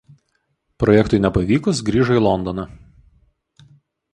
Projektui nepavykus grįžo į Londoną.